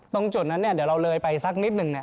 ตรงจุดนั้นเดี๋ยวเราเลยไปสักนิดนึง